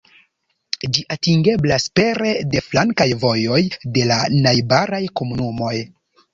Ĝi atingeblas pere de flankaj vojoj de la najbaraj komunumoj.